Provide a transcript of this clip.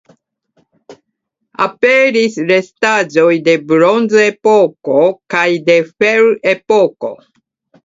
Aperis restaĵoj de Bronzepoko kaj de Ferepoko.